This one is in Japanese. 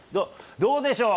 どうでしょう？